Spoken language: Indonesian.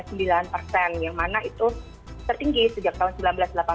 yang mana itu tertinggi sejak tahun seribu sembilan ratus delapan puluh